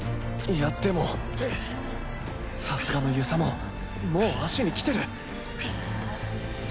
いやでもさすがの遊佐ももう足にきてる。